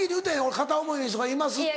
「片思いの人がいます」って。